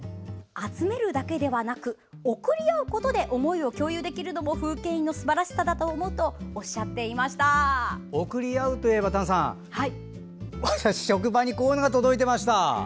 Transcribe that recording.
集めるだけではなく送り合うことで思いを共有できるのも風景印のすばらしさだと思うと送り合うといえば私、職場にこれが届いていました。